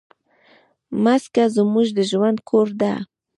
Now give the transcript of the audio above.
مځکه زموږ د ژوند کور ده.